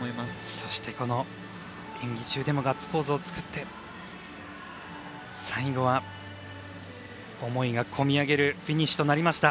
そして演技中でもガッツポーズを作って最後は思いがこみ上げるフィニッシュとなりました。